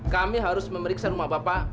kami harus memeriksa rumah bapak